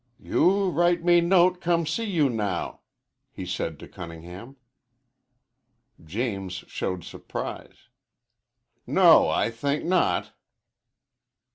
"You write me note come see you now," he said to Cunningham. James showed surprise. "No, I think not."